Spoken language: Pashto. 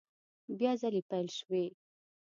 بیا ځلي پیل شوې